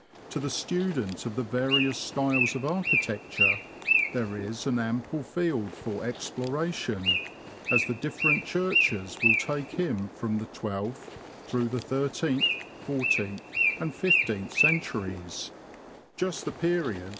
To the student of the various styles of architecture there is an ample field for exploration, as the different churches will take him from the twelfth, through the thirteenth, fourteenth, and fifteenth centuries — just the period INTRODUCTORY.